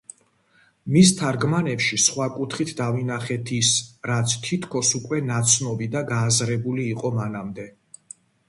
მის თარგმანებში სხვა კუთხით დავინახეთ ის, რაც თითქოს უკვე ნაცნობი და გააზრებული იყო მანამდე.